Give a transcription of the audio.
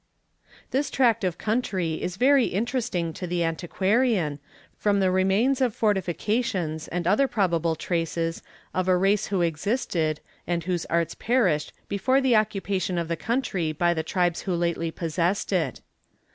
This tract of country is very interesting to the antiquarian, from the remains of fortifications, and other probable traces of a race who existed, and whose arts perished before the occupation of the country by the tribes who lately possessed it.